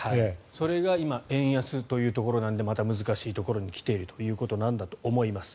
それが今円安というところなのでまた難しいところに来ているということなんだと思います。